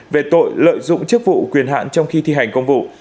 về tội lợi dụng chức vụ quyền hạn trong khi thi hành công vụ